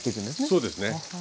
そうですね。